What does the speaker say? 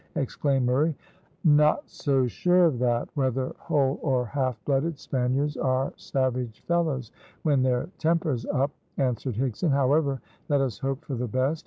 exclaimed Murray. "Not so sure of that. Whether whole or half blooded, Spaniards are savage fellows when their temper's up," answered Higson. "However, let us hope for the best.